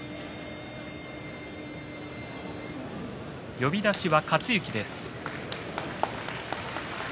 呼出しは克之です。